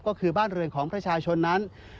ก็คือบ้านเรือนของประชาชนนั้น